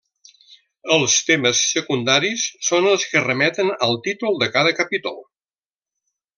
Els temes secundaris són els que remeten al títol de cada capítol.